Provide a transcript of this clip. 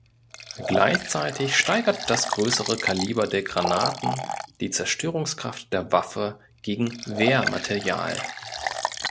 Gleichzeitig steigert das größere Kaliber der Granaten die Zerstörungskraft der Waffe gegen Wehrmaterial.